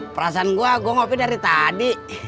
perasaan gua gua ngopi dari tadi